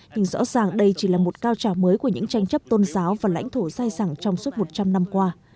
nhưng rõ ràng đây chỉ là một cao trào mới của những tranh chấp tôn giáo và lãnh thổ dài sẳng trong suốt một trăm linh năm qua